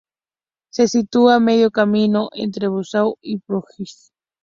Se sitúa a medio camino entre Buzău y Ploiești.